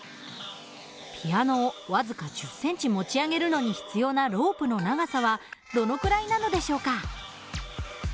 ピアノを僅か１０センチ持ち上げるのに必要なロープの長さはどのくらいなのでしょうか？